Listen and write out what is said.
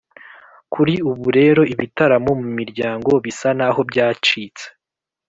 kuri ubu rero, ibitaramo mu miryango bisa n’aho byacitse